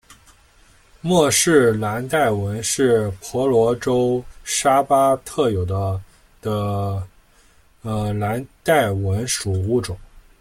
莫氏蓝带蚊是婆罗洲沙巴特有的的蓝带蚊属物种。